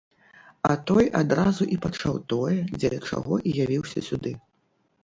А той адразу і пачаў тое, дзеля чаго і явіўся сюды.